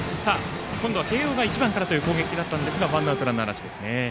今度は慶応が１番からという攻撃だったんですがワンアウトランナーなしです。